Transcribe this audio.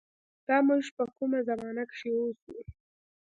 دا مونږ په کومه زمانه کښې اوسو